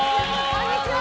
こんにちは。